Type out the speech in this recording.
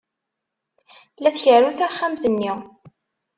La tkerru taxxamt-nni.